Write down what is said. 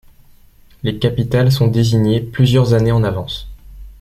Les capitales sont désignées plusieurs années en avance.